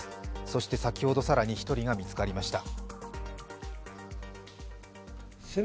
そして先ほど更に１人が見つかりました。